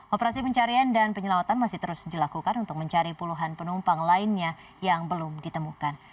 operasi pencarian dan penyelamatan masih terus dilakukan untuk mencari puluhan penumpang lainnya yang belum ditemukan